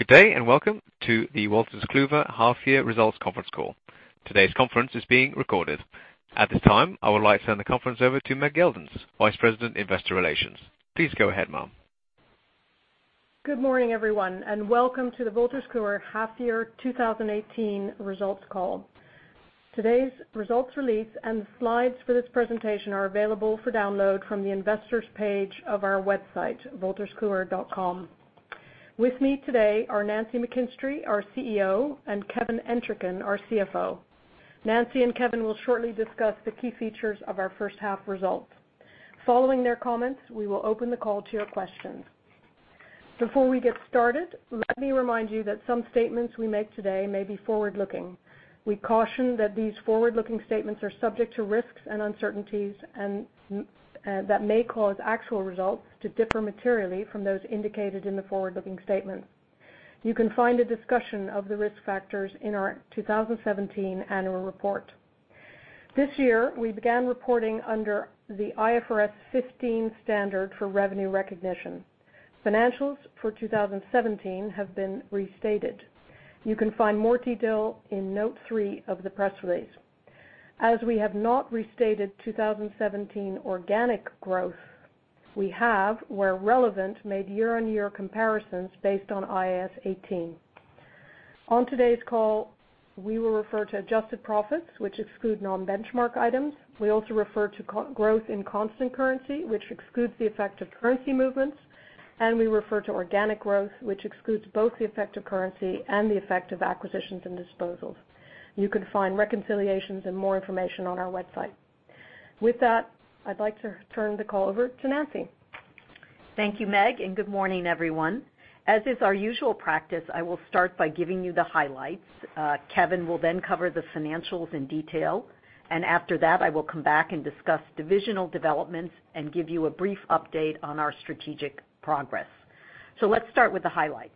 Good day, welcome to the Wolters Kluwer half-year results conference call. Today's conference is being recorded. At this time, I would like to turn the conference over to Meg Geldens, Vice President, Investor Relations. Please go ahead, ma'am. Good morning, everyone, welcome to the Wolters Kluwer half year 2018 results call. Today's results release and the slides for this presentation are available for download from the investors page of our website, wolterskluwer.com. With me today are Nancy McKinstry, our CEO, and Kevin Entricken, our CFO. Nancy and Kevin will shortly discuss the key features of our first half results. Following their comments, we will open the call to your questions. Before we get started, let me remind you that some statements we make today may be forward-looking. We caution that these forward-looking statements are subject to risks and uncertainties that may cause actual results to differ materially from those indicated in the forward-looking statements. You can find a discussion of the risk factors in our 2017 annual report. This year, we began reporting under the IFRS 15 standard for revenue recognition. Financials for 2017 have been restated. You can find more detail in note three of the press release. As we have not restated 2017 organic growth, we have, where relevant, made year-on-year comparisons based on IAS 18. On today's call, we will refer to adjusted profits, which exclude non-benchmark items. We also refer to growth in constant currency, which excludes the effect of currency movements, and we refer to organic growth, which excludes both the effect of currency and the effect of acquisitions and disposals. You can find reconciliations and more information on our website. With that, I'd like to turn the call over to Nancy. Thank you, Meg, and good morning, everyone. As is our usual practice, I will start by giving you the highlights. Kevin will then cover the financials in detail, and after that, I will come back and discuss divisional developments and give you a brief update on our strategic progress. Let's start with the highlights.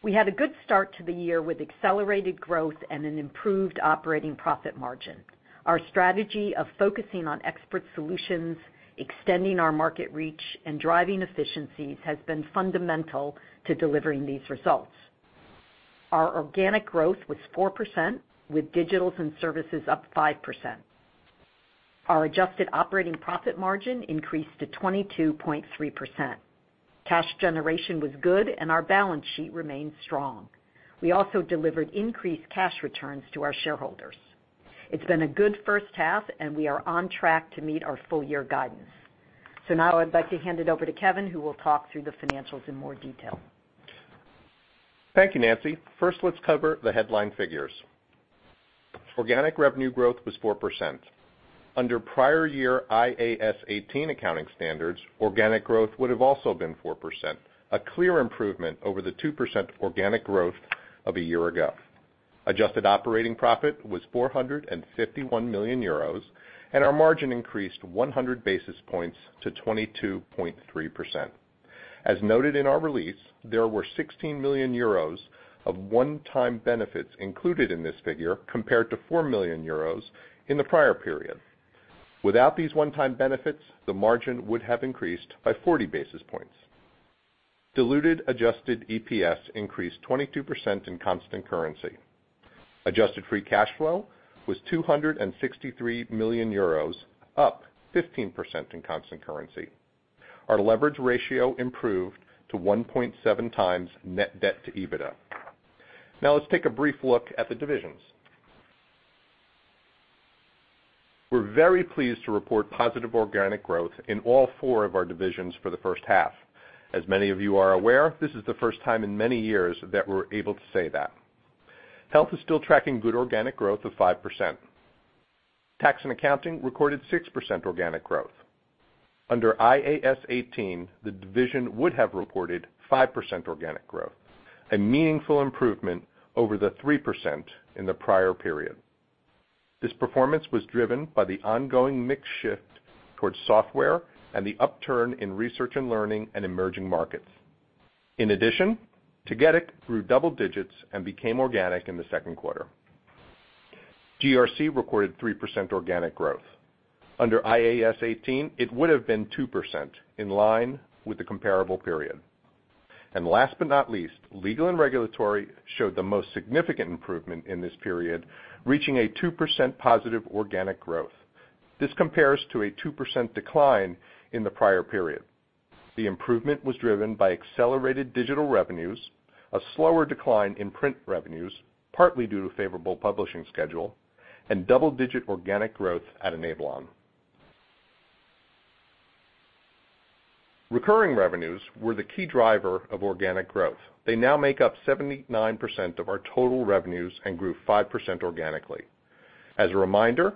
We had a good start to the year with accelerated growth and an improved operating profit margin. Our strategy of focusing on expert solutions, extending our market reach, and driving efficiencies has been fundamental to delivering these results. Our organic growth was 4%, with digitals and services up 5%. Our adjusted operating profit margin increased to 22.3%. Cash generation was good, and our balance sheet remained strong. We also delivered increased cash returns to our shareholders. It's been a good first half, and we are on track to meet our full-year guidance. I'd like to hand it over to Kevin, who will talk through the financials in more detail. Thank you, Nancy. First, let's cover the headline figures. Organic revenue growth was 4%. Under prior year IAS 18 accounting standards, organic growth would have also been 4%, a clear improvement over the 2% organic growth of a year ago. Adjusted operating profit was 451 million euros, and our margin increased 100 basis points to 22.3%. As noted in our release, there were 16 million euros of one-time benefits included in this figure, compared to 4 million euros in the prior period. Without these one-time benefits, the margin would have increased by 40 basis points. Diluted adjusted EPS increased 22% in constant currency. Adjusted free cash flow was 263 million euros, up 15% in constant currency. Our leverage ratio improved to 1.7 times net debt to EBITDA. Let's take a brief look at the divisions. We're very pleased to report positive organic growth in all four of our divisions for the first half. As many of you are aware, this is the first time in many years that we're able to say that. Health is still tracking good organic growth of 5%. Tax & Accounting recorded 6% organic growth. Under IAS 18, the division would have reported 5% organic growth, a meaningful improvement over the 3% in the prior period. This performance was driven by the ongoing mix shift towards software and the upturn in research and learning and emerging markets. In addition, CCH Tagetik grew double digits and became organic in the second quarter. GRC recorded 3% organic growth. Under IAS 18, it would have been 2%, in line with the comparable period. Last but not least, Legal & Regulatory showed the most significant improvement in this period, reaching a 2% positive organic growth. This compares to a 2% decline in the prior period. The improvement was driven by accelerated digital revenues, a slower decline in print revenues, partly due to favorable publishing schedule, and double-digit organic growth at Enablon. Recurring revenues were the key driver of organic growth. They now make up 79% of our total revenues and grew 5% organically. As a reminder,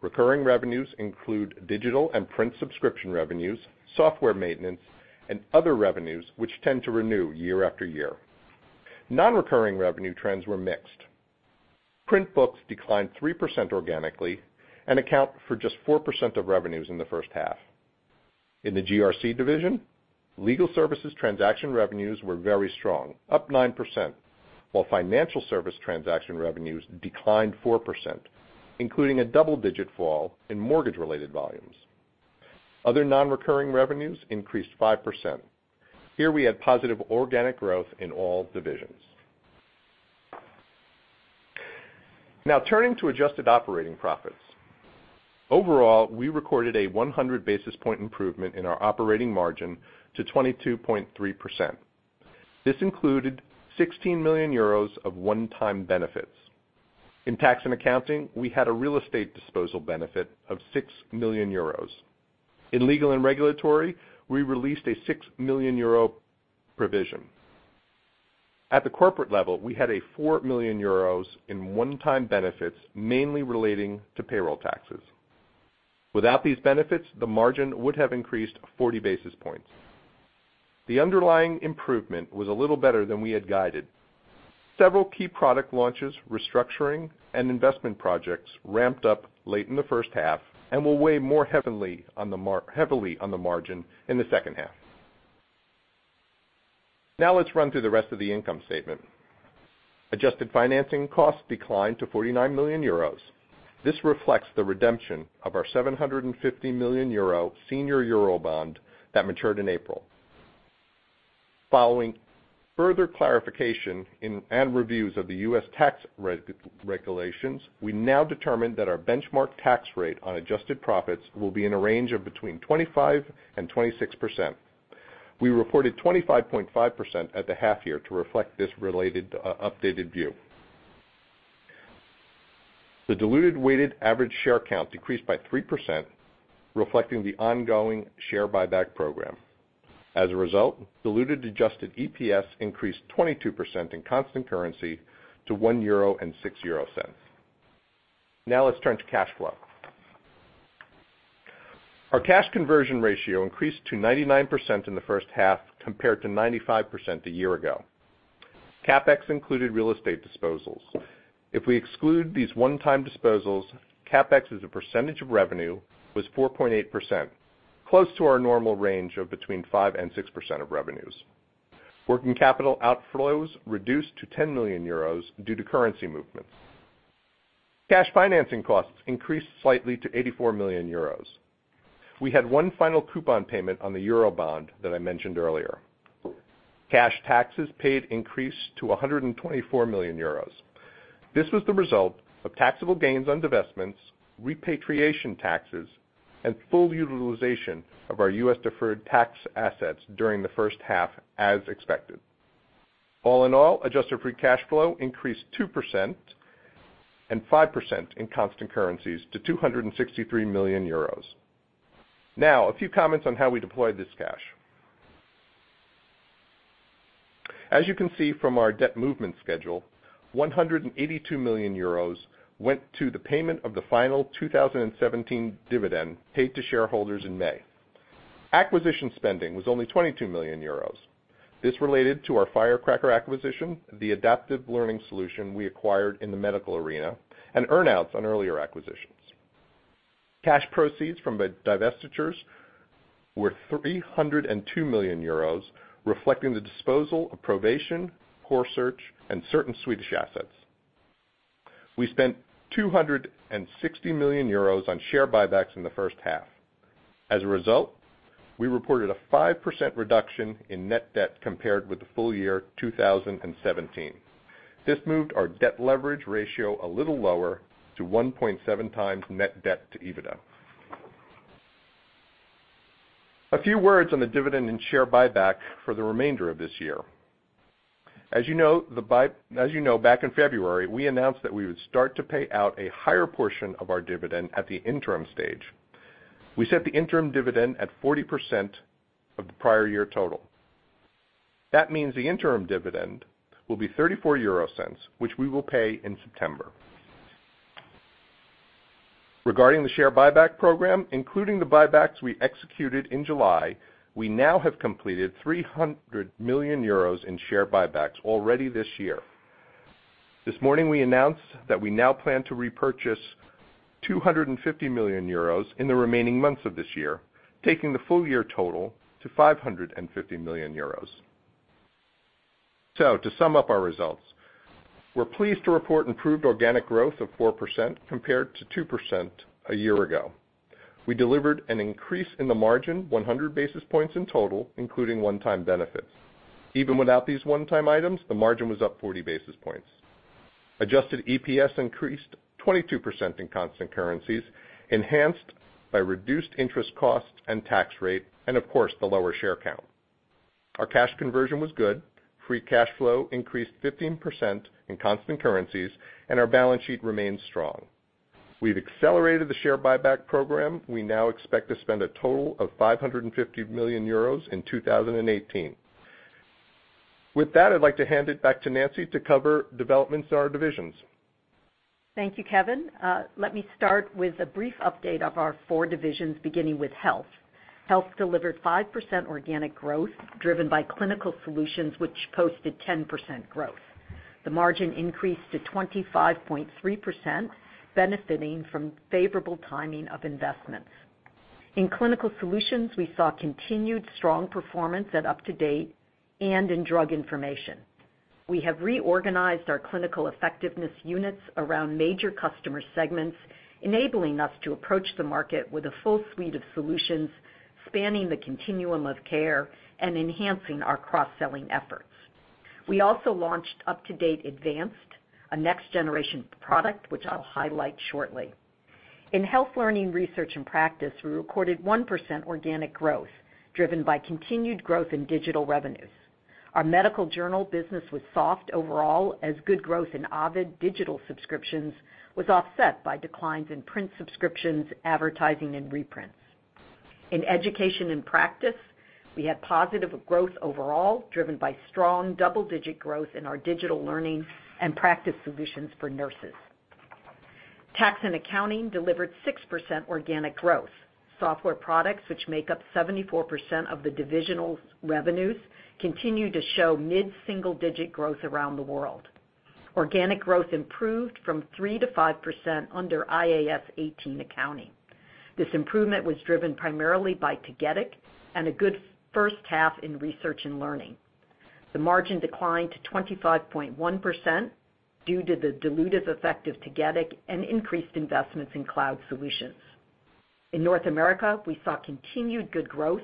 recurring revenues include digital and print subscription revenues, software maintenance, and other revenues, which tend to renew year after year. Non-recurring revenue trends were mixed. Print books declined 3% organically and account for just 4% of revenues in the first half. In the GRC division, legal services transaction revenues were very strong, up 9%. While financial service transaction revenues declined 4%, including a double-digit fall in mortgage-related volumes. Other non-recurring revenues increased 5%. Here we had positive organic growth in all divisions. Turning to adjusted operating profits. Overall, we recorded a 100-basis-point improvement in our operating margin to 22.3%. This included 16 million euros of one-time benefits. In Tax & Accounting, we had a real estate disposal benefit of 6 million euros. In Legal & Regulatory, we released a 6 million euro provision. At the corporate level, we had a 4 million euros in one-time benefits, mainly relating to payroll taxes. Without these benefits, the margin would have increased 40 basis points. The underlying improvement was a little better than we had guided. Several key product launches, restructuring, and investment projects ramped up late in the first half and will weigh more heavily on the margin in the second half. Let's run through the rest of the income statement. Adjusted financing costs declined to 49 million euros. This reflects the redemption of our 750 million euro senior euro bond that matured in April. Following further clarification and reviews of the U.S. tax regulations, we now determine that our benchmark tax rate on adjusted profits will be in a range of between 25% and 26%. We reported 25.5% at the half year to reflect this related updated view. The diluted weighted average share count decreased by 3%, reflecting the ongoing share buyback program. As a result, diluted adjusted EPS increased 22% in constant currency to 1.06 euro. Let's turn to cash flow. Our cash conversion ratio increased to 99% in the first half compared to 95% a year ago. CapEx included real estate disposals. If we exclude these one-time disposals, CapEx as a percentage of revenue was 4.8%, close to our normal range of between 5% and 6% of revenues. Working capital outflows reduced to 10 million euros due to currency movements. Cash financing costs increased slightly to 84 million euros. We had one final coupon payment on the euro bond that I mentioned earlier. Cash taxes paid increased to 124 million euros. This was the result of taxable gains on divestments, repatriation taxes, and full utilization of our U.S. deferred tax assets during the first half as expected. All in all, adjusted free cash flow increased 2% and 5% in constant currencies to 263 million euros. A few comments on how we deployed this cash. As you can see from our debt movement schedule, 182 million euros went to the payment of the final 2017 dividend paid to shareholders in May. Acquisition spending was only 22 million euros. This related to our Firecracker acquisition, the adaptive learning solution we acquired in the medical arena, and earn-outs on earlier acquisitions. Cash proceeds from divestitures were 302 million euros, reflecting the disposal of ProVation Medical, Corsearch, and certain Swedish assets. We spent 260 million euros on share buybacks in the first half. As a result, we reported a 5% reduction in net debt compared with the full year 2017. This moved our debt leverage ratio a little lower to 1.7 times net debt to EBITDA. A few words on the dividend and share buyback for the remainder of this year. As you know, back in February, we announced that we would start to pay out a higher portion of our dividend at the interim stage. We set the interim dividend at 40% of the prior year total. That means the interim dividend will be 0.34, which we will pay in September. Regarding the share buyback program, including the buybacks we executed in July, we now have completed 300 million euros in share buybacks already this year. This morning we announced that we now plan to repurchase 250 million euros in the remaining months of this year, taking the full year total to 550 million euros. To sum up our results, we are pleased to report improved organic growth of 4% compared to 2% a year ago. We delivered an increase in the margin 100 basis points in total, including one-time benefits. Even without these one-time items, the margin was up 40 basis points. Adjusted EPS increased 22% in constant currencies, enhanced by reduced interest costs and tax rate, and of course, the lower share count. Our cash conversion was good. Free cash flow increased 15% in constant currencies, and our balance sheet remains strong. We have accelerated the share buyback program. We now expect to spend a total of 550 million euros in 2018. With that, I would like to hand it back to Nancy to cover developments in our divisions. Thank you, Kevin. Let me start with a brief update of our four divisions, beginning with Health. Health delivered 5% organic growth, driven by clinical solutions, which posted 10% growth. The margin increased to 25.3%, benefiting from favorable timing of investments. In clinical solutions, we saw continued strong performance at UpToDate and in drug information. We have reorganized our clinical effectiveness units around major customer segments, enabling us to approach the market with a full suite of solutions spanning the continuum of care and enhancing our cross-selling efforts. We also launched UpToDate Advanced, a next-generation product, which I will highlight shortly. In health learning, research, and practice, we recorded 1% organic growth, driven by continued growth in digital revenues. Our medical journal business was soft overall, as good growth in Ovid digital subscriptions was offset by declines in print subscriptions, advertising, and reprints. In education and practice, we had positive growth overall, driven by strong double-digit growth in our digital learning and practice solutions for nurses. Tax & Accounting delivered 6% organic growth. Software products, which make up 74% of the division's revenues, continue to show mid-single-digit growth around the world. Organic growth improved from 3% to 5% under IAS 18 accounting. This improvement was driven primarily by CCH Tagetik and a good first half in research and learning. The margin declined to 25.1% due to the dilutive effect of CCH Tagetik and increased investments in cloud solutions. In North America, we saw continued good growth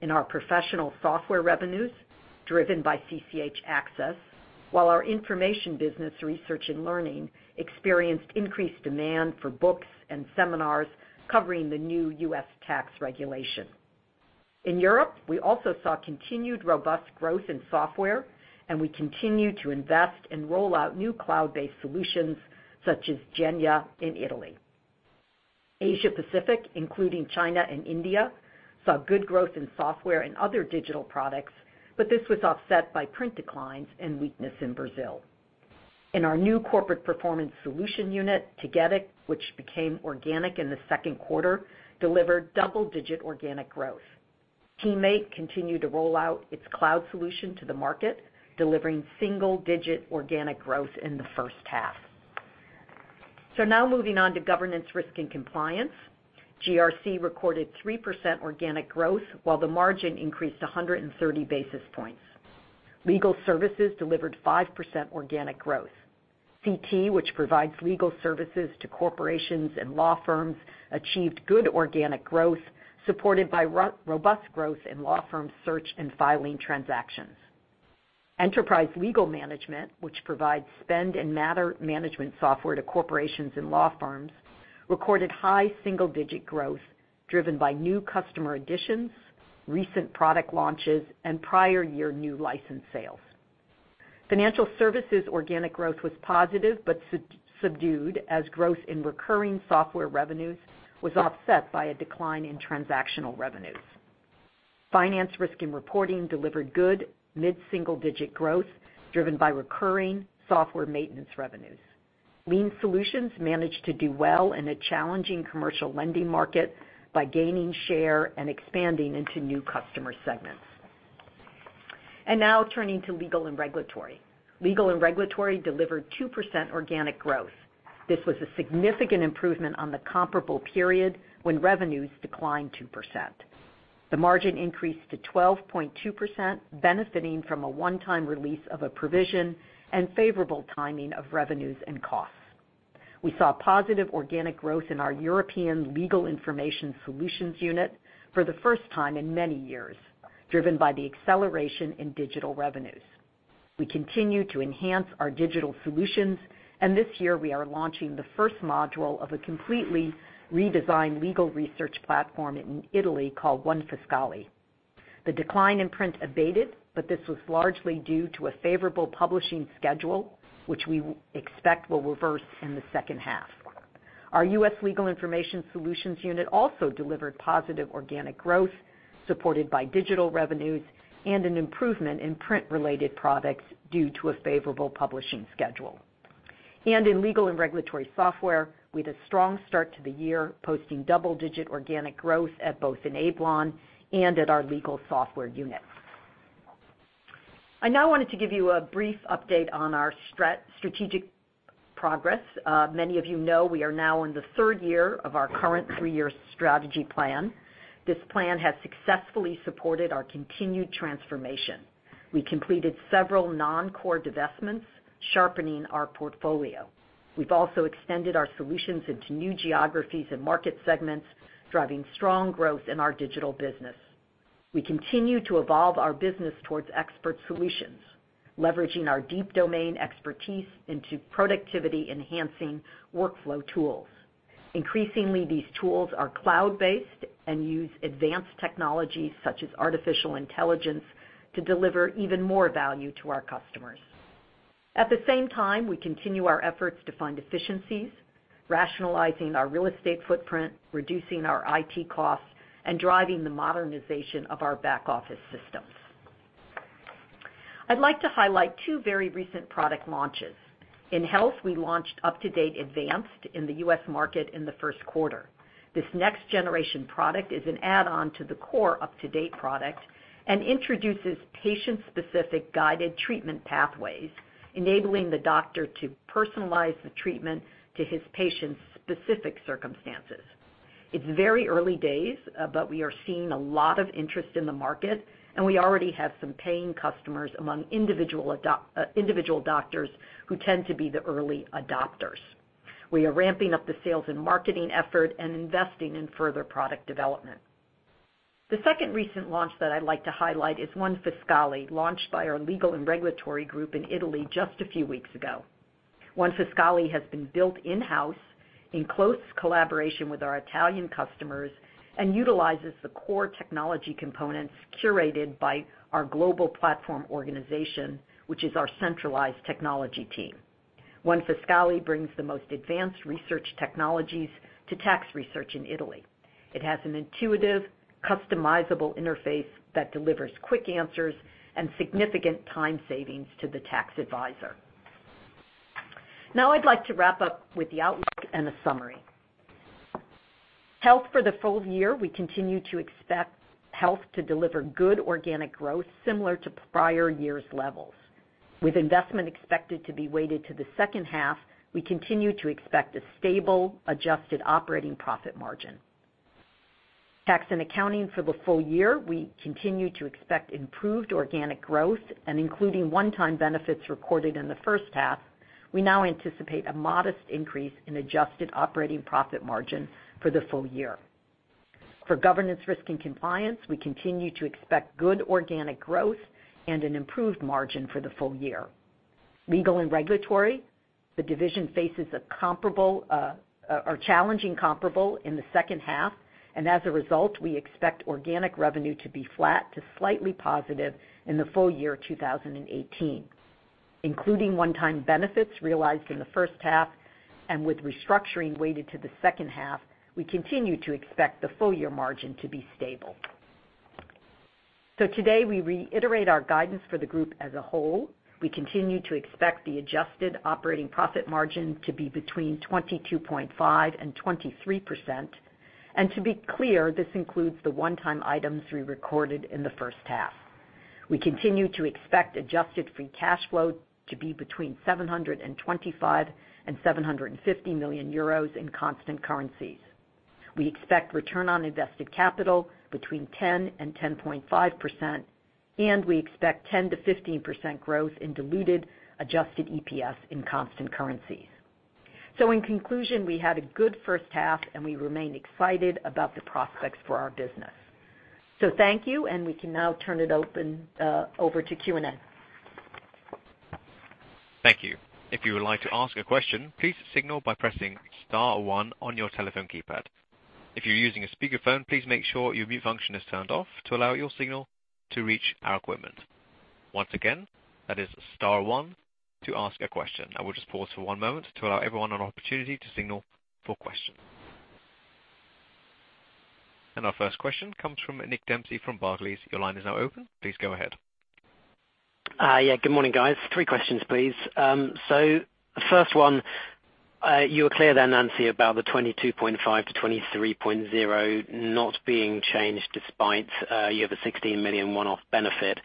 in our professional software revenues, driven by CCH Axcess, while our information business research and learning experienced increased demand for books and seminars covering the new U.S. tax regulation. In Europe, we also saw continued robust growth in software, and we continue to invest and roll out new cloud-based solutions such as Genya in Italy. Asia Pacific, including China and India, saw good growth in software and other digital products, but this was offset by print declines and weakness in Brazil. In our new Corporate Performance solution unit, CCH Tagetik, which became organic in the second quarter, delivered double-digit organic growth. TeamMate continued to roll out its cloud solution to the market, delivering single-digit organic growth in the first half. Now moving on to Governance, Risk & Compliance. GRC recorded 3% organic growth while the margin increased 130 basis points. Legal Services delivered 5% organic growth. CT, which provides legal services to corporations and law firms, achieved good organic growth, supported by robust growth in law firm search and filing transactions. Enterprise Legal Management, which provides spend and matter management software to corporations and law firms, recorded high single-digit growth driven by new customer additions, recent product launches, and prior year new license sales. Financial Services organic growth was positive but subdued, as growth in recurring software revenues was offset by a decline in transactional revenues. Finance, Risk & Regulatory Reporting delivered good mid-single-digit growth, driven by recurring software maintenance revenues. Lien Solutions managed to do well in a challenging commercial lending market by gaining share and expanding into new customer segments. Now turning to Legal & Regulatory. Legal & Regulatory delivered 2% organic growth. This was a significant improvement on the comparable period when revenues declined 2%. The margin increased to 12.2%, benefiting from a one-time release of a provision and favorable timing of revenues and costs. We saw positive organic growth in our European Legal Information Solutions unit for the first time in many years, driven by the acceleration in digital revenues. We continue to enhance our digital solutions, this year we are launching the first module of a completely redesigned legal research platform in Italy called One Fiscale. The decline in print abated, this was largely due to a favorable publishing schedule, which we expect will reverse in the second half. Our U.S. Legal Information Solutions unit also delivered positive organic growth, supported by digital revenues and an improvement in print-related products due to a favorable publishing schedule. In Legal & Regulatory Software, we had a strong start to the year, posting double-digit organic growth at both Enablon and at our legal software unit. I now wanted to give you a brief update on our strategic progress. Many of you know we are now in the third year of our current three-year strategy plan. This plan has successfully supported our continued transformation. We completed several non-core divestments, sharpening our portfolio. We've also extended our solutions into new geographies and market segments, driving strong growth in our digital business. We continue to evolve our business towards expert solutions, leveraging our deep domain expertise into productivity-enhancing workflow tools. Increasingly, these tools are cloud-based and use advanced technologies such as artificial intelligence to deliver even more value to our customers. At the same time, we continue our efforts to find efficiencies, rationalizing our real estate footprint, reducing our IT costs, and driving the modernization of our back-office systems. I'd like to highlight two very recent product launches. In Health, we launched UpToDate Advanced in the U.S. market in the first quarter. This next-generation product is an add-on to the core UpToDate product and introduces patient-specific guided treatment pathways, enabling the doctor to personalize the treatment to his patient's specific circumstances. It's very early days, but we are seeing a lot of interest in the market, and we already have some paying customers among individual doctors who tend to be the early adopters. We are ramping up the sales and marketing effort and investing in further product development. The second recent launch that I'd like to highlight is One Fiscale, launched by our Legal & Regulatory group in Italy just a few weeks ago. One Fiscale has been built in-house in close collaboration with our Italian customers and utilizes the core technology components curated by our global platform organization, which is our centralized technology team. One Fiscale brings the most advanced research technologies to tax research in Italy. It has an intuitive, customizable interface that delivers quick answers and significant time savings to the tax advisor. I'd like to wrap up with the outlook and a summary. Health for the full year, we continue to expect health to deliver good organic growth similar to prior years' levels. With investment expected to be weighted to the second half, we continue to expect a stable adjusted operating profit margin. Tax and accounting for the full year, we continue to expect improved organic growth and including one-time benefits recorded in the first half, we now anticipate a modest increase in adjusted operating profit margin for the full year. For governance, risk, and compliance, we continue to expect good organic growth and an improved margin for the full year. Legal and regulatory, the division faces a challenging comparable in the second half, and as a result, we expect organic revenue to be flat to slightly positive in the full year 2018. Including one-time benefits realized in the first half and with restructuring weighted to the second half, we continue to expect the full year margin to be stable. Today we reiterate our guidance for the group as a whole. We continue to expect the adjusted operating profit margin to be between 22.5% and 23%. To be clear, this includes the one-time items we recorded in the first half. We continue to expect adjusted free cash flow to be between €725 and €750 million in constant currencies. We expect return on invested capital between 10% and 10.5%, and we expect 10%-15% growth in diluted adjusted EPS in constant currencies. In conclusion, we had a good first half and we remain excited about the prospects for our business. Thank you, and we can now turn it over to Q&A. Thank you. If you would like to ask a question, please signal by pressing *1 on your telephone keypad. If you're using a speakerphone, please make sure your mute function is turned off to allow your signal to reach our equipment. Once again, that is *1 to ask a question. I will just pause for one moment to allow everyone an opportunity to signal for question. Our first question comes from Nick Dempsey from Barclays. Your line is now open. Please go ahead. Good morning, guys. Three questions, please. First one, you were clear there, Nancy, about the 22.5%-23.0% not being changed despite you have a 16 million one-off benefit.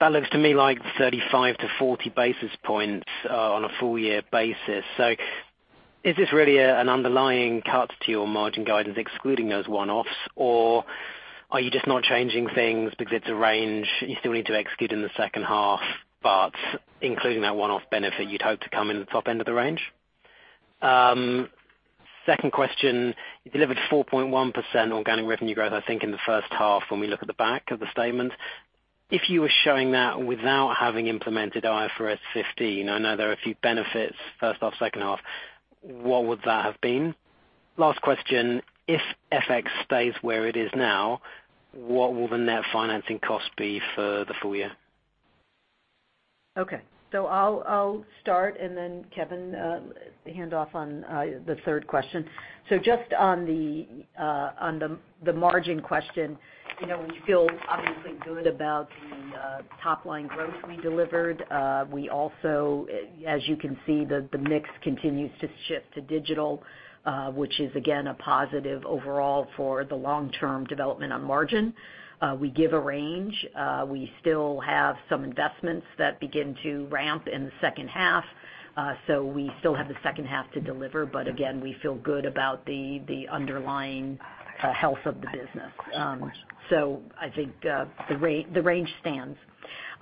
That looks to me like 35-40 basis points on a full year basis. Is this really an underlying cut to your margin guidance excluding those one-offs? Are you just not changing things because it's a range you still need to execute in the second half, but including that one-off benefit, you'd hope to come in the top end of the range? Second question, you delivered 4.1% organic revenue growth, I think, in the first half when we look at the back of the statement. If you were showing that without having implemented IFRS 15, I know there are a few benefits, first half, second half, what would that have been? Last question, if FX stays where it is now, what will the net financing cost be for the full year? I'll start and then Kevin, hand off on the third question. Just on the margin question, we feel obviously good about the top-line growth we delivered. We also, as you can see, the mix continues to shift to digital, which is again, a positive overall for the long-term development on margin. We give a range. We still have some investments that begin to ramp in the second half. We still have the second half to deliver, but again, we feel good about the underlying health of the business. I think the range stands.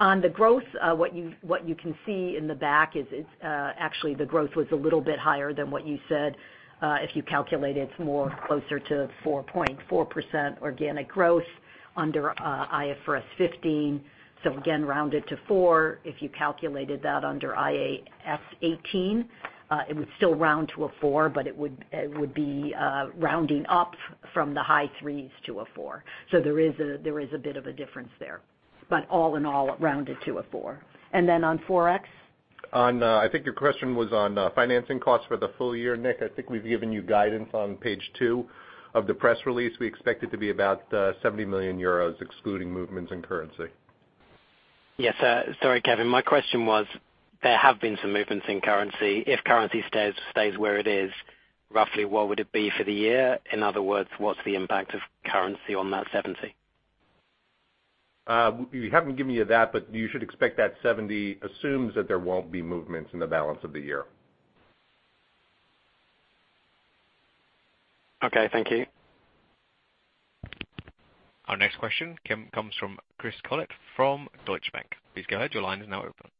On the growth, what you can see in the back is actually, the growth was a little bit higher than what you said. If you calculate it's more closer to 4.4% organic growth under IFRS 15. Again, rounded to four. If you calculated that under IAS 18, it would still round to a four, but it would be rounding up from the high threes to a four. There is a bit of a difference there. All in all, it rounded to a four. Then on Forex? I think your question was on financing costs for the full year, Nick. I think we've given you guidance on page two of the press release. We expect it to be about 70 million euros, excluding movements in currency. Yes, sorry, Kevin. My question was, there have been some movements in currency. If currency stays where it is, roughly what would it be for the year? In other words, what's the impact of currency on that 70? We haven't given you that, but you should expect that 70 assumes that there won't be movements in the balance of the year. Okay, thank you. Our next question comes from Chris Collett from Deutsche Bank. Please go ahead, your line is now open.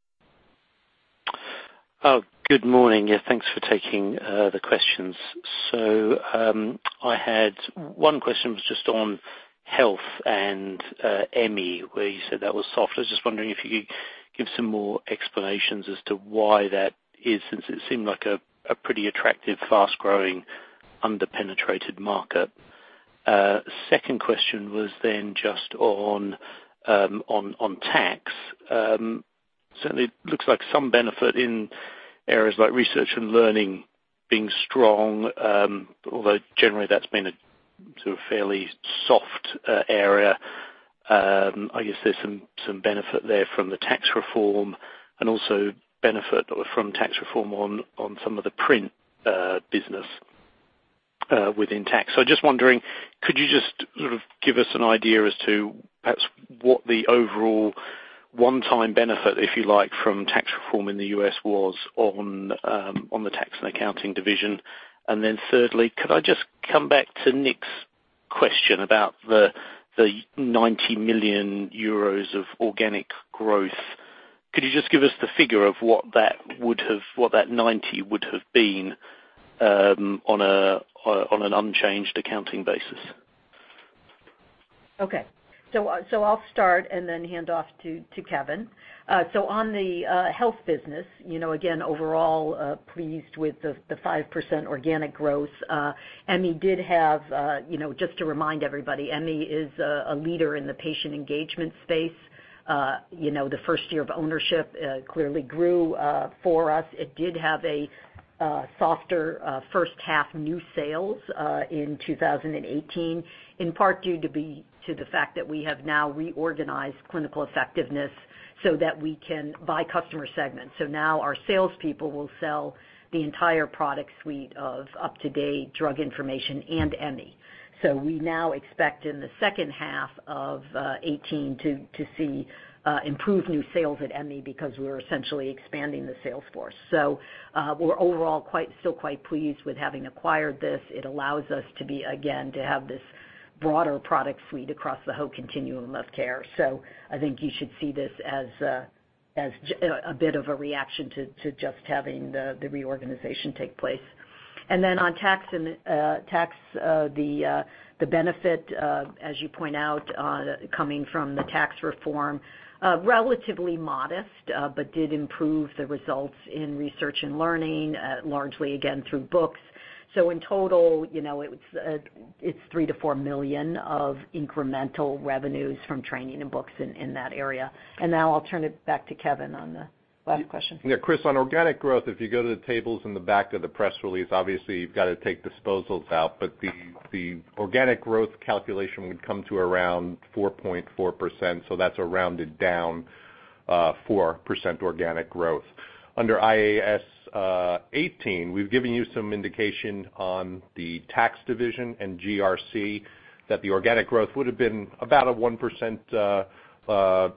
Good morning. Thanks for taking the questions. I had one question, was just on health and Emmi, where you said that was soft. I was just wondering if you could give some more explanations as to why that is, since it seemed like a pretty attractive, fast-growing, under-penetrated market. Second question was just on tax. Certainly looks like some benefit in areas like research and learning being strong. Although generally that's been a sort of fairly soft area. I guess there's some benefit there from the tax reform and also benefit from tax reform on some of the print business within tax. Just wondering, could you just sort of give us an idea as to perhaps what the overall one-time benefit, if you like, from tax reform in the U.S. was on the Tax & Accounting division? Thirdly, could I just come back to Nick's question about the 90 million euros of organic growth. Could you just give us the figure of what that 90 would have been on an unchanged accounting basis? Okay. I'll start and then hand off to Kevin. On the health business, again, overall pleased with the 5% organic growth. Just to remind everybody, Emmi is a leader in the patient engagement space. The first year of ownership clearly grew for us. It did have a softer first half new sales in 2018, in part due to the fact that we have now reorganized clinical effectiveness so that we can, by customer segment. Now our salespeople will sell the entire product suite of UpToDate drug information and Emmi. We now expect in the second half of 2018 to see improved new sales at Emmi because we're essentially expanding the sales force. We're overall still quite pleased with having acquired this. It allows us to be, again, to have this broader product suite across the whole continuum of care. I think you should see this as a bit of a reaction to just having the reorganization take place. On tax, the benefit, as you point out, coming from the tax reform, relatively modest, but did improve the results in research and learning, largely again through books. In total, it's 3 million to 4 million of incremental revenues from training and books in that area. Now I'll turn it back to Kevin on the last question. Chris, on organic growth, if you go to the tables in the back of the press release, obviously you've got to take disposals out, but the organic growth calculation would come to around 4.4%, so that's a rounded down 4% organic growth. Under IAS 18, we've given you some indication on the tax division and GRC that the organic growth would have been about 1%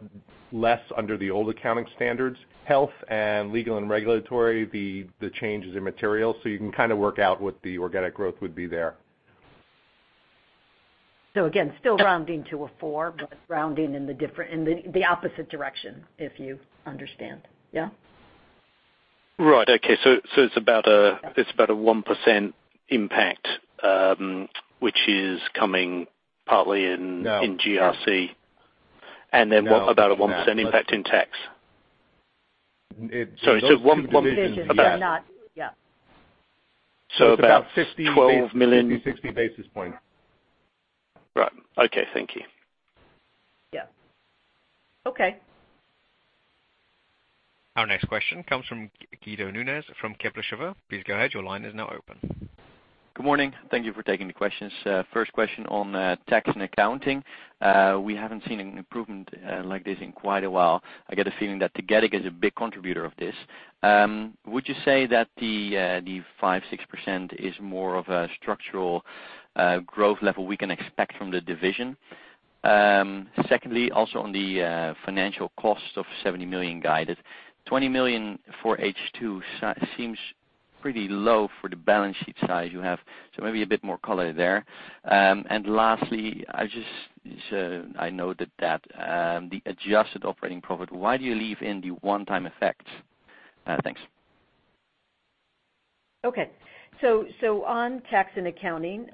less under the old accounting standards. Health and Legal & Regulatory, the change is immaterial, you can kind of work out what the organic growth would be there. Again, still rounding to a 4, but rounding in the opposite direction, if you understand. Yeah. Right. Okay, it's about 1% impact, which is coming partly. No GRC, No about 1% impact in tax. Those two Divisions are not, yeah. About 12 million. It's about 50, 60 basis points. Right. Okay, thank you. Yeah. Okay. Our next question comes from Guido Nunes from Kepler Cheuvreux. Please go ahead, your line is now open. Good morning. Thank you for taking the questions. First question on Tax & Accounting. We haven't seen an improvement like this in quite a while. I get a feeling that Cegedem is a big contributor of this. Would you say that the 5%-6% is more of a structural growth level we can expect from the division? Secondly, also on the financial cost of $70 million guided, $20 million for H2 seems pretty low for the balance sheet size you have. Maybe a bit more color there. Lastly, I noted that the adjusted operating profit, why do you leave in the one-time effects? Thanks. Okay. On Tax & Accounting,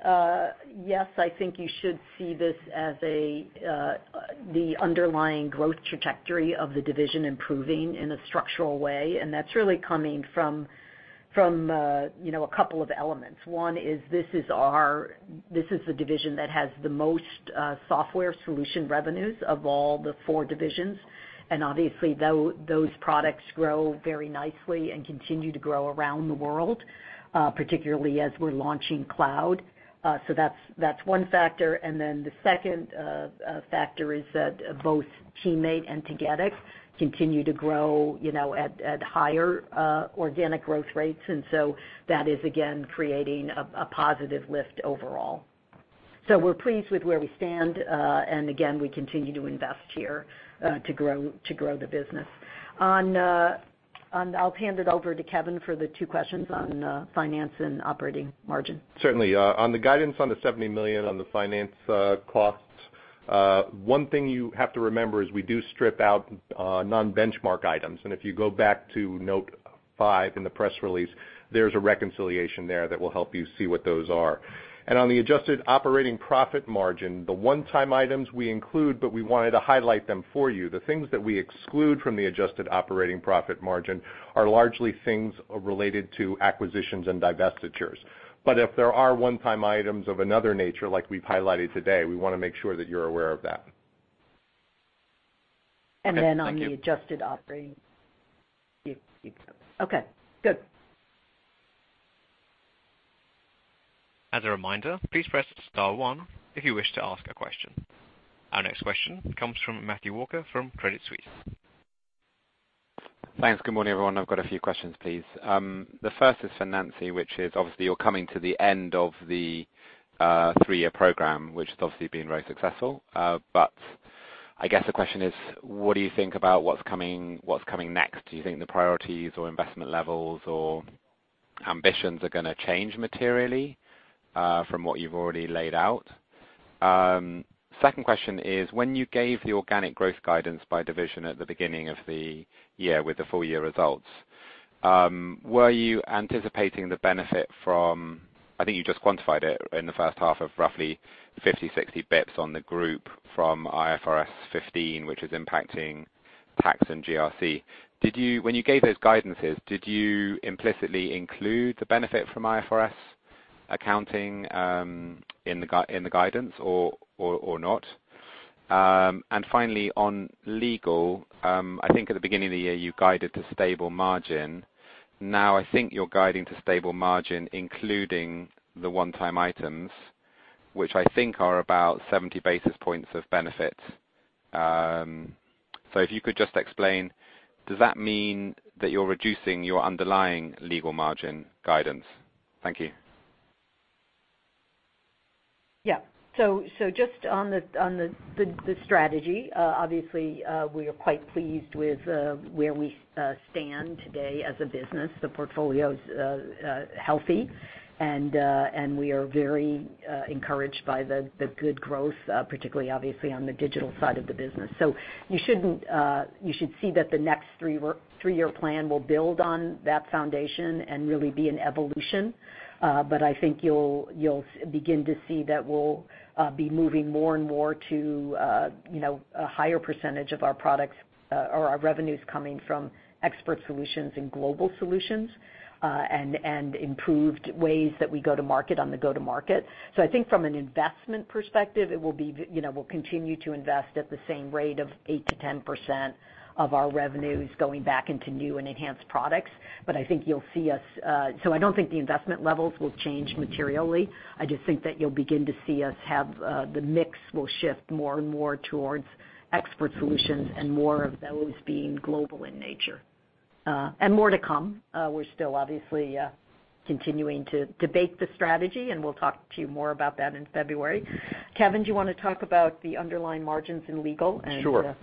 yes, I think you should see this as the underlying growth trajectory of the division improving in a structural way, and that's really coming from a couple of elements. One is this is the division that has the most software solution revenues of all the four divisions. Obviously those products grow very nicely and continue to grow around the world, particularly as we're launching cloud. That's one factor. The second factor is that both TeamMate and Cegedem continue to grow at higher organic growth rates. That is again creating a positive lift overall. We're pleased with where we stand, and again, we continue to invest here to grow the business. I'll hand it over to Kevin for the two questions on finance and operating margin. Certainly. On the guidance on the $70 million on the finance costs, one thing you have to remember is we do strip out non-benchmark items. If you go back to note five in the press release, there's a reconciliation there that will help you see what those are. On the adjusted operating profit margin, the one-time items we include, but we wanted to highlight them for you. The things that we exclude from the adjusted operating profit margin are largely things related to acquisitions and divestitures. If there are one-time items of another nature like we've highlighted today, we want to make sure that you're aware of that. Okay, good. As a reminder, please press star one if you wish to ask a question. Our next question comes from Matthew Walker from Credit Suisse. Thanks. Good morning, everyone. I've got a few questions, please. The first is for Nancy, which is obviously you're coming to the end of the three-year program, which has obviously been very successful. I guess the question is, what do you think about what's coming next? Do you think the priorities or investment levels or ambitions are going to change materially from what you've already laid out? Second question is, when you gave the organic growth guidance by division at the beginning of the year with the full-year results, were you anticipating the benefit from, I think you just quantified it in the first half of roughly 50, 60 basis points on the group from IFRS 15, which is impacting Tax and GRC. When you gave those guidances, did you implicitly include the benefit from IFRS accounting in the guidance or not? Finally, on Legal, I think at the beginning of the year, you guided to stable margin. Now, I think you're guiding to stable margin, including the one-time items, which I think are about 70 basis points of benefit. If you could just explain, does that mean that you're reducing your underlying Legal margin guidance? Thank you. Just on the strategy, obviously, we are quite pleased with where we stand today as a business. The portfolio's healthy, and we are very encouraged by the good growth, particularly obviously on the digital side of the business. You should see that the next three-year plan will build on that foundation and really be an evolution. But I think you'll begin to see that we'll be moving more and more to a higher percentage of our products or our revenues coming from expert solutions and global solutions, and improved ways that we go to market on the go-to-market. I think from an investment perspective, we'll continue to invest at the same rate of 8%-10% of our revenues going back into new and enhanced products. I don't think the investment levels will change materially. I just think that you'll begin to see us have the mix will shift more and more towards expert solutions and more of those being global in nature. More to come. We're still obviously continuing to debate the strategy, and we'll talk to you more about that in February. Kevin, do you want to talk about the underlying margins in Legal and. Sure.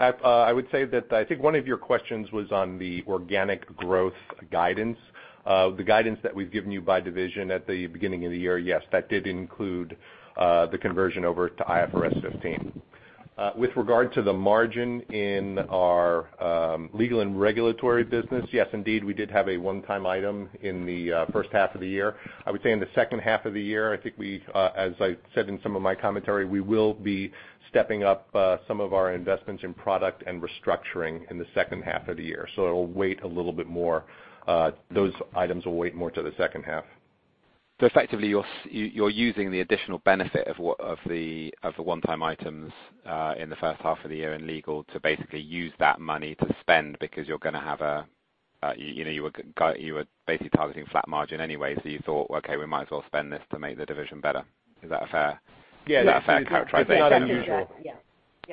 I would say that I think one of your questions was on the organic growth guidance. The guidance that we've given you by division at the beginning of the year, yes, that did include the conversion over to IFRS 15. With regard to the margin in our Legal & Regulatory business, yes, indeed, we did have a one-time item in the first half of the year. I would say in the second half of the year, I think we, as I said in some of my commentary, we will be stepping up some of our investments in product and restructuring in the second half of the year. It'll weigh a little bit more. Those items will weigh more to the second half. Effectively, you're using the additional benefit of the one-time items in the first half of the year in legal to basically use that money to spend because you were basically targeting flat margin anyway, you thought, okay, we might as well spend this to make the division better. Is that a fair- Yeah. Is that a fair characterization? I think that's right, yeah.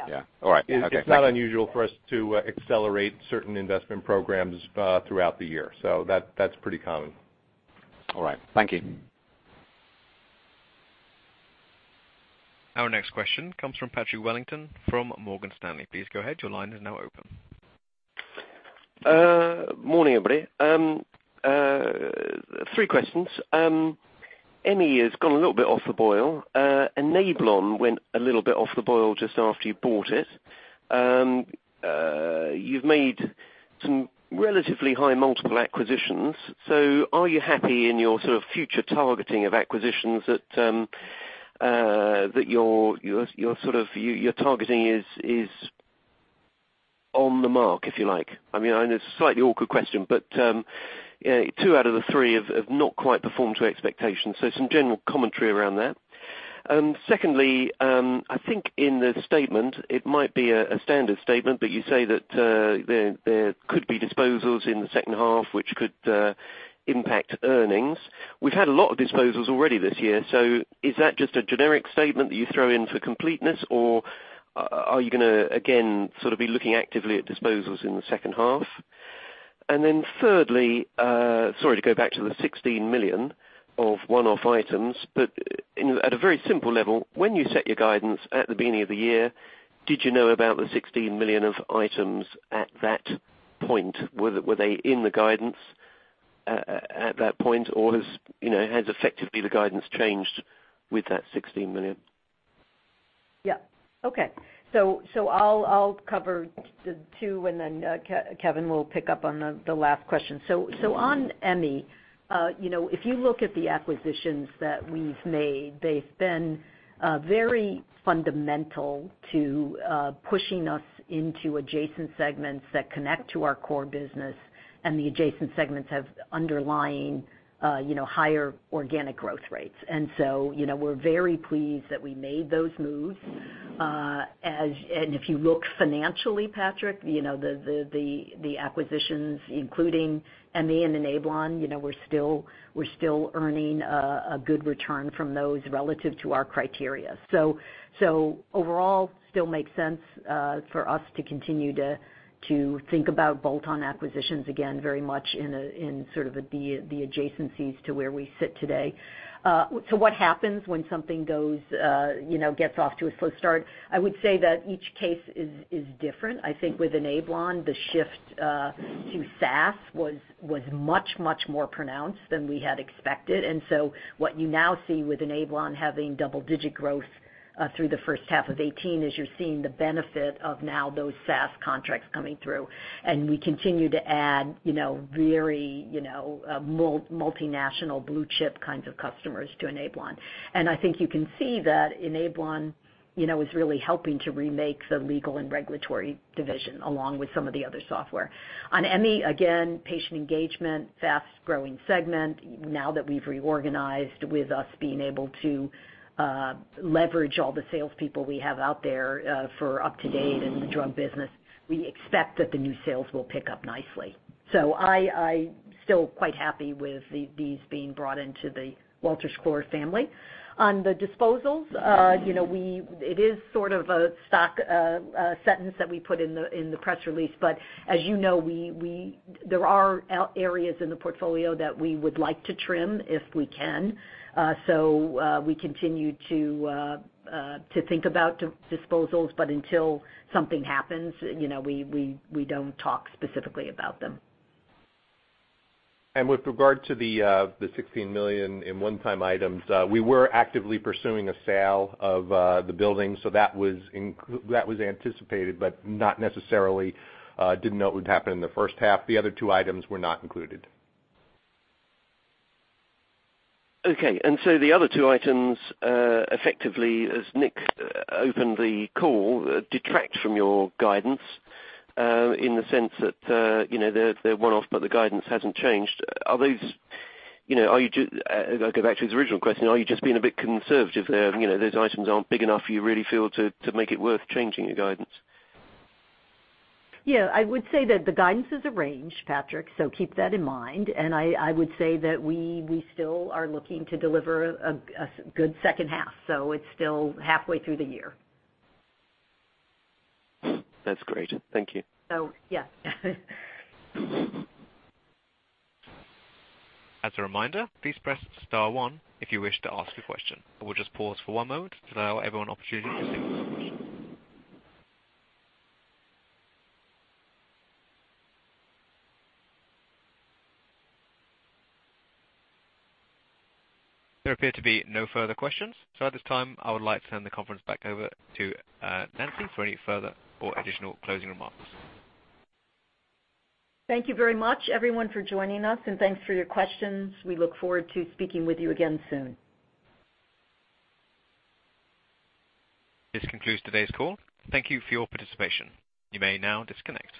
Yeah. All right. Okay. It's not unusual for us to accelerate certain investment programs throughout the year. That's pretty common. All right. Thank you. Our next question comes from Patrick Wellington from Morgan Stanley. Please go ahead. Your line is now open. Morning, everybody. Three questions. Enterprise Legal Management has gone a little bit off the boil. Enablon went a little bit off the boil just after you bought it. You've made some relatively high multiple acquisitions. Are you happy in your sort of future targeting of acquisitions that your targeting is on the mark, if you like? I mean, it's a slightly awkward question, but two out of the three have not quite performed to expectation. Some general commentary around that. Secondly, I think in the statement, it might be a standard statement, but you say that there could be disposals in the second half which could impact earnings. We've had a lot of disposals already this year, so is that just a generic statement that you throw in for completeness, or are you going to, again, sort of be looking actively at disposals in the second half? Thirdly, sorry to go back to the 16 million of one-off items, but at a very simple level, when you set your guidance at the beginning of the year, did you know about the 16 million of items at that point? Were they in the guidance at that point, or has effectively the guidance changed with that 16 million? Yeah. Okay. I'll cover the two and then Kevin will pick up on the last question. On Emmi, if you look at the acquisitions that we've made, they've been very fundamental to pushing us into adjacent segments that connect to our core business, and the adjacent segments have underlying higher organic growth rates. We're very pleased that we made those moves. If you look financially, Patrick, the acquisitions, including Emmi and Enablon, we're still earning a good return from those relative to our criteria. Overall, still makes sense for us to continue to think about bolt-on acquisitions, again, very much in sort of the adjacencies to where we sit today. What happens when something gets off to a slow start? I would say that each case is different. I think with Enablon, the shift to SaaS was much more pronounced than we had expected. What you now see with Enablon having double-digit growth through the first half of 2018 is you're seeing the benefit of now those SaaS contracts coming through. We continue to add very multinational blue-chip kinds of customers to Enablon. I think you can see that Enablon is really helping to remake the Legal & Regulatory division, along with some of the other software. On Emmi, again, patient engagement, fast-growing segment. Now that we've reorganized with us being able to leverage all the salespeople we have out there for UpToDate and the drug business, we expect that the new sales will pick up nicely. I'm still quite happy with these being brought into the Wolters Kluwer family. On the disposals, it is sort of a stock sentence that we put in the press release. As you know, there are areas in the portfolio that we would like to trim if we can. We continue to think about disposals, until something happens, we don't talk specifically about them. With regard to the 16 million in one-time items, we were actively pursuing a sale of the building. That was anticipated but not necessarily didn't know it would happen in the first half. The other two items were not included. Okay. The other two items, effectively, as Nick opened the call, detract from your guidance in the sense that they're one-off. The guidance hasn't changed. I'll go back to the original question, are you just being a bit conservative there? Those items aren't big enough you really feel to make it worth changing your guidance? Yeah, I would say that the guidance is a range, Patrick, so keep that in mind, and I would say that we still are looking to deliver a good second half, so it's still halfway through the year. That's great. Thank you. Yeah. As a reminder, please press star one if you wish to ask a question. We will just pause for one moment to allow everyone an opportunity to submit their question. There appear to be no further questions. At this time, I would like to turn the conference back over to Nancy for any further or additional closing remarks. Thank you very much, everyone, for joining us, and thanks for your questions. We look forward to speaking with you again soon. This concludes today's call. Thank you for your participation. You may now disconnect.